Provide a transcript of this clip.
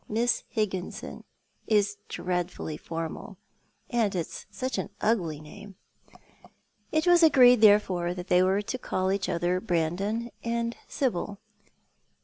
Miss Higginson is dreadfully formal, and it is such an ugly name." It was agreed therefore that they were to call each other Brandon and Sibyl.